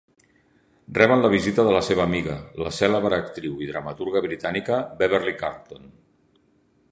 Reben la visita de la seva amiga, la cèlebre actriu i dramaturga britànica Beverly Carlton.